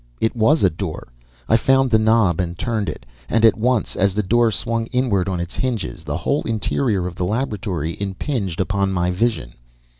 It WAS a door. I found the knob and turned it. And at once, as the door swung inward on its hinges, the whole interior of the laboratory impinged upon my vision.